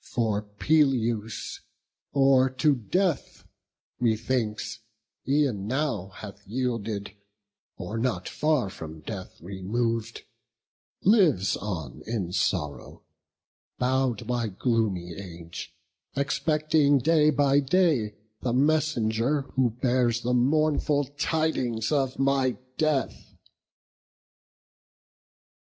For Peleus or to death, methinks, e'en now Hath yielded, or not far from death remov'd, Lives on in sorrow, bow'd by gloomy age, Expecting day by day the messenger Who bears the mournful tidings of my death."